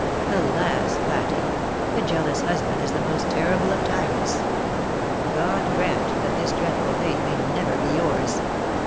Alas! Patty, a jealous husband is the most terrible of tyrants. God grant that this dreadful fate may never be yours."